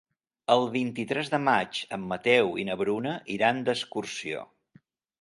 El vint-i-tres de maig en Mateu i na Bruna iran d'excursió.